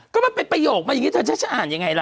ก็มันเป็นประโยคมาอย่างนี้เธอฉันจะอ่านยังไงล่ะ